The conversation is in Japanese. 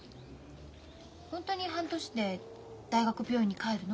ホントに半年で大学病院に帰るの？